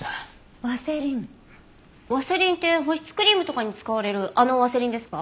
ワセリンって保湿クリームとかに使われるあのワセリンですか？